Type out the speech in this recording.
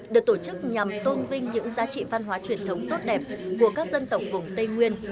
được tổ chức nhằm tôn vinh những giá trị văn hóa truyền thống tốt đẹp của các dân tộc vùng tây nguyên